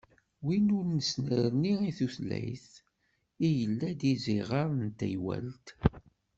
Win n usnerni i tutlayt i yella d iẓiɣer n teywalt.